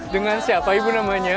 dengan siapa ibu namanya